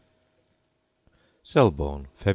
Selborne, Feb.